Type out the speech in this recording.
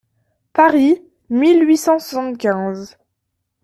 (Paris, mille huit cent soixante-quinze.